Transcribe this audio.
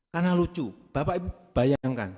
karena lucu bapak ibu bayangkan